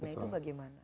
nah itu bagaimana